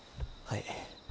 はい。